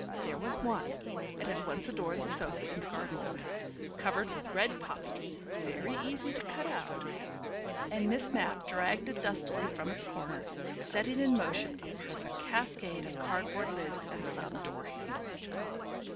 There was one it had once adorned the sofa in the garden room covered with red poppies (very easy to cut out), and Miss Mapp dragged it dustily from its corner, setting in motion a perfect cascade of cardboard lids and some door handles.